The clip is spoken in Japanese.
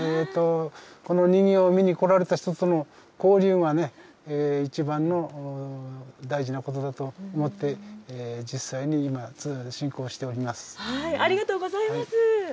この人形を見に来られた人との交流がね、いちばんの大事なことだと思って、実際に今、ありがとうございます。